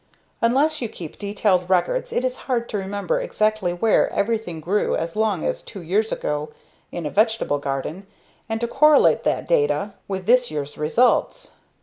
Unless you keep detailed records, it is hard to remember exactly where everything grew as long as two years ago in a vegetable garden and to correlate that data with this year's results.